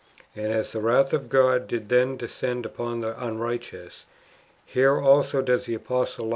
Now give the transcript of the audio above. "'' And as the wrath of God did then descend upon the unrighteous, here also does the apostle like 1 Matt.